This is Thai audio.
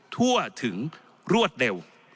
ทั่วถึงรวดเร็ว